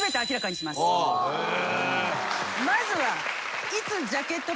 まずは。